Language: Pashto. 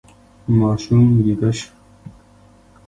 ماشوم ویده شو.